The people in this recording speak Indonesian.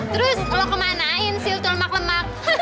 terus lo kemanain sisil tuh lemak lemak